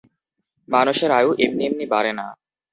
মানুষের আয়ু এমনি এমনি বাড়ে না।